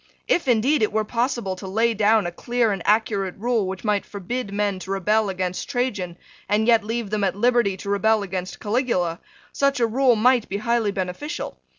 If, indeed, it were possible to lay down a clear and accurate rule which might forbid men to rebel against Trajan, and yet leave them at liberty to rebel against Caligula, such a rule might be highly beneficial.